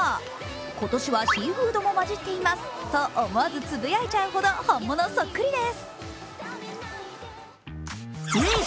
今年はシーフードも混じっていますと思わずつぶやいちゃうほど、本物そっくりです。